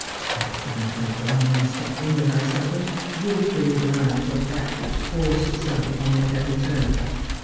I could not have gone on suffering as I suffered, wilfully blind to a fact which forced itself upon me at every turn.